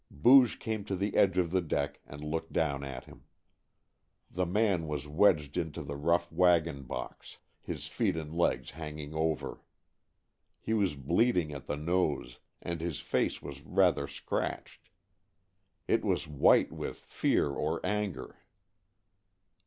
Booge came to the edge of the deck and looked down at him. The man was wedged into the rough wagon box, his feet and legs hanging over. He was bleeding at the nose, and his face was rather scratched. He was white with fear or anger.